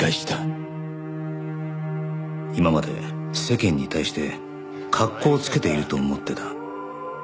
今まで世間に対して格好をつけていると思ってた。